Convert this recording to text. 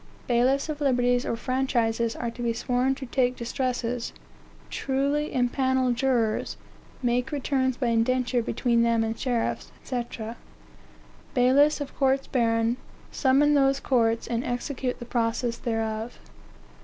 "Bailiffs of liberties or franchises are to be sworn to take distresses, truly impanel jurors, make returns by indenture between them and sheriffs, &c. "Bailiffs of courts baron summon those courts, and execute the process thereof.